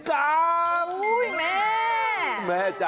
โอ้โฮแม่